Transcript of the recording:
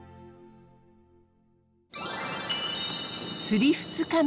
釣り２日目。